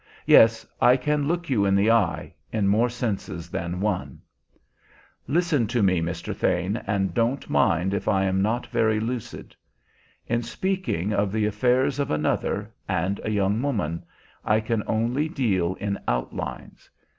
Yes, I can look you in the eye, in more senses than one. Listen to me, Mr. Thane, and don't mind if I am not very lucid. In speaking of the affairs of another, and a young woman, I can only deal in outlines.